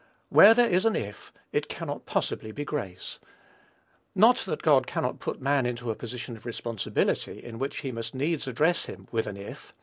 Where there is an if, it cannot possibly be grace. Not that God cannot put man into a position of responsibility in which he must needs address him with an "if."